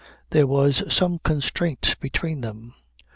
There was some constraint between them.